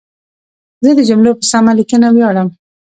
زه د جملو په سمه لیکنه ویاړم.